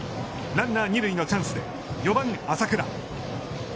ランナー二塁のチャンスで、４番浅倉。